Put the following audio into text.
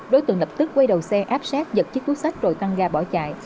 đối tượng lập tức quay đầu xe áp sát giật chiếc túi sách rồi căn gà bỏ chạy